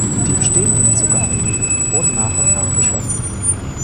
Die bestehenden Zuckerfabriken wurden nach und nach geschlossen.